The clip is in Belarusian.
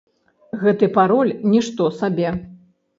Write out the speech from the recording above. Гэты пароль нішто сабе.